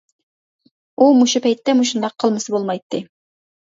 ئۇ مۇشۇ پەيتتە مۇشۇنداق قىلمىسا بولمايتتى.